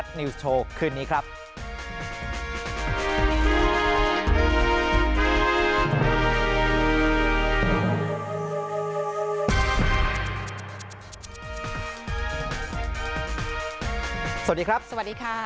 สวัสดีครับสวัสดีค่ะ